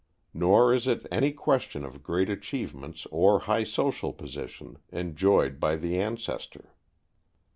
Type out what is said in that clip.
Nor is it any question of great achievements or high social position enjoyed by the ancestor.